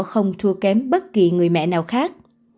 không thua kém bất kỳ người mẹ nào khác